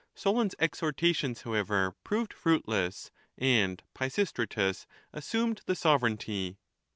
Solon's exhortations, however, proved fruitless, and Pisistratus assumed the sovereignty.